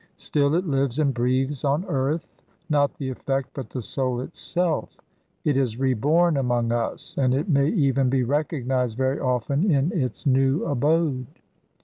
Still it lives and breathes on earth, not the effect, but the soul itself. It is reborn among us, and it may even be recognised very often in its new abode.